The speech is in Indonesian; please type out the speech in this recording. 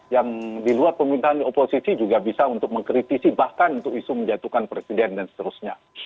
yang di luar pemerintahan oposisi juga bisa untuk mengkritisi bahkan untuk isu menjatuhkan presiden dan seterusnya